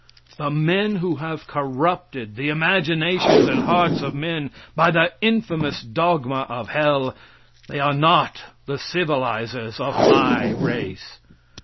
The men who have corrupted the imaginations and hearts of men by their infamous dogma of hell they are not the civilizers of my race.